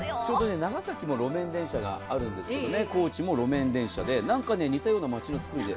長崎も路面電車があるんですが高知も路面電車で似たような街のつくりで。